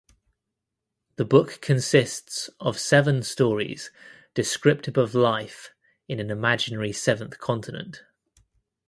The book consists of seven stories descriptive of life in an imaginary seventh continent.